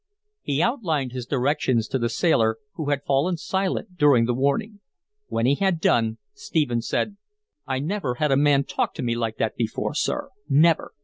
He outlined his directions to the sailor, who had fallen silent during the warning. When he had done, Stephens said: "I never had a man talk to me like that before, sir never.